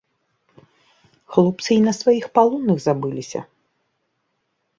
Хлопцы й на сваіх палонных забыліся.